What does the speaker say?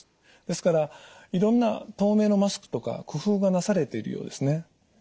ですからいろんな透明のマスクとか工夫がなされているようですね。